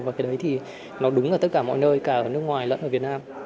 và cái đấy thì nó đúng ở tất cả mọi nơi cả ở nước ngoài lẫn ở việt nam